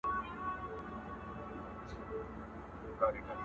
مُلا مي په زر ځله له احواله دی پوښتلی.!